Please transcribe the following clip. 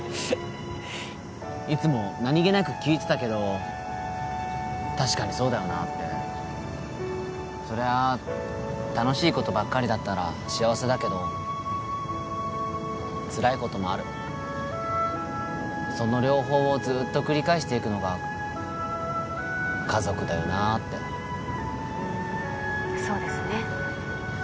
いつもなにげなく聞いてたけど確かにそうだよなってそりゃあ楽しいことばっかりだったら幸せだけどつらいこともあるその両方をずっと繰り返していくのが家族だよなってそうですね